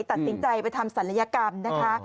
ตัดติดใจไปทำสรรยากรรมนะคะ